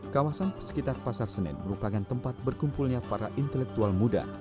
kawasan sekitar pasar senen merupakan tempat berkumpulnya para intelektual muda